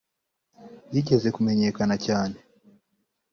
yigeze kumenyekana cyera